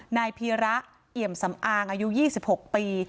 นายพีระเอี่ยมสำอางอายุ๒๖ปี